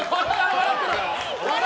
笑ってる！